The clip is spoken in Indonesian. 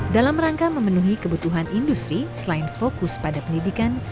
dalam rangka memenuhi kebutuhan industri selain fokus pada pendidikan